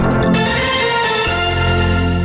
สวัสดีครับ